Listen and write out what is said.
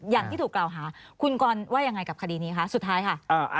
อย่างที่ถูกกล่าวหาคุณกรว่ายังไงกับคดีนี้คะสุดท้ายค่ะ